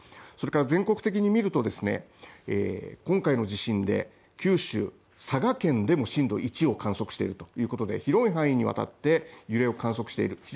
全国的に見ると今回の地震で九州、佐賀県でも震度１を観測しているということで広い範囲にわたって揺れを観測している。